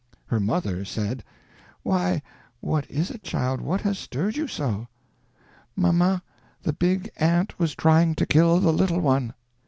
Her mother said: "Why, what is it, child? What has stirred you so?" "Mamma, the big ant was trying to kill the little one."